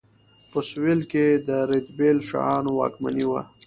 په سویل کې د رتبیل شاهانو واکمني وه.